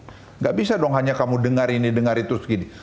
enggak bisa dong hanya kamu dengar ini dengar itu terus begini